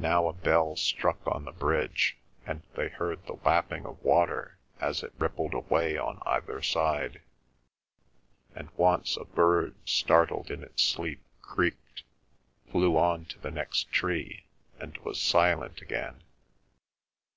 Now a bell struck on the bridge, and they heard the lapping of water as it rippled away on either side, and once a bird startled in its sleep creaked, flew on to the next tree, and was silent again.